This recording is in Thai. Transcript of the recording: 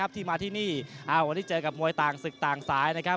ที่มาที่นี่วันนี้เจอกับมวยต่างศึกต่างสายนะครับ